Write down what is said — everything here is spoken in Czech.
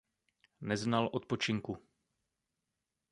Neznal odpočinku.